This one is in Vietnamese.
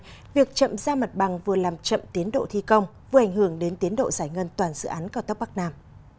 vì vậy việc chậm ra mặt bằng vừa làm chậm tiến độ thi công vừa ảnh hưởng đến tiến độ giải ngân toàn dự án cao tốc bắc nam